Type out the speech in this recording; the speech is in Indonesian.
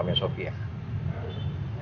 tama yang dia tama yang sofia